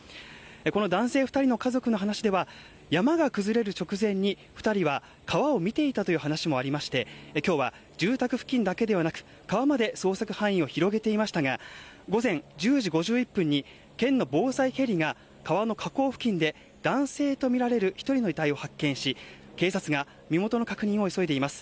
この男性２人の家族の話では山が崩れる直前に２人は川を見ていたという話もありまして今日は住宅付近だけではなく川まで捜索範囲を広げていましたが午前１０時５１分に県の防災ヘリが川の河口付近で男性とみられる１人の遺体を発見し警察が身元の確認を急いでいます。